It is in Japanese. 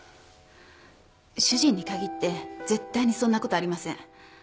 主人に限って絶対にそんな事はありません。